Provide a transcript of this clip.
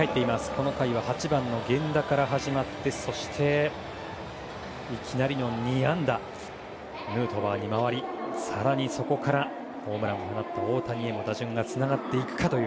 この回は８番の源田から始まってそして、いきなりの２安打ヌートバーに回り更にそこからホームランを放った大谷へと打順がつながっていくか。